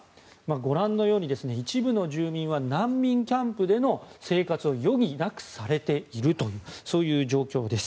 ご覧のように一部の住民は難民キャンプでの生活を余儀なくされているという状況です。